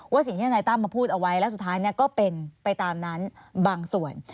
สิ่งที่ทนายตั้มมาพูดเอาไว้และสุดท้ายก็เป็นไปตามนั้นบางส่วน